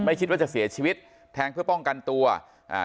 คิดว่าจะเสียชีวิตแทงเพื่อป้องกันตัวอ่า